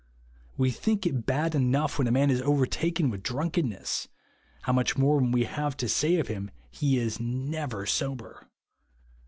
We think it bad enough when a man is overtaken with drunkenness, how much more when we have to say of him, he is never sober.